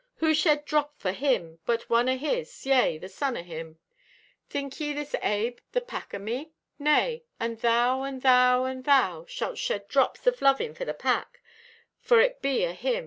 Who shed drop for Him but one o' His, yea, the Son o' Him? Think ye this abe the pack o' me? Nay, and thou and thou and thou shalt shed drops in loving for the pack, for it be o' Him.